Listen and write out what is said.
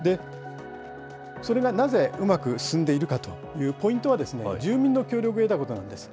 それがなぜうまく進んでいるかというポイントは、住民の協力を得たことなんです。